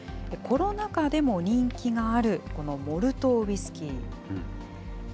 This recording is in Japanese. コロナ禍でも人気がある、このモルトウイスキー。